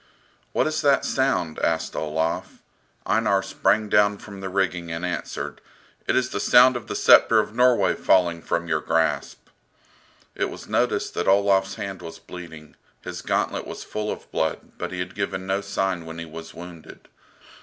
"What is that sound?" asked Olaf. Einar sprang down from the rigging and answered, "It is the sound of the sceptre of Norway falling from your grasp." It was noticed that Olaf's hand was bleeding, "his gauntlet was full of blood," but he had given no sign when he was wounded.